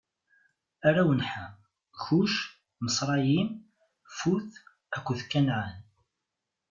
Arraw n Ḥam: Kuc, Miṣrayim, Fut akked Kanɛan.